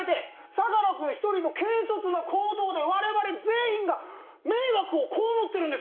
相良君１人の軽率な行動で我々全員が迷惑を被ってるんですよ！